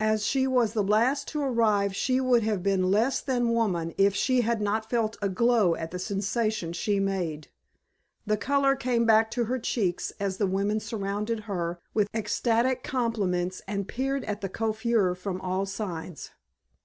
As she was the last to arrive she would have been less than woman if she had not felt a glow at the sensation she made. The color came back to her cheeks as the women surrounded her with ecstatic compliments and peered at the coiffure from all sides.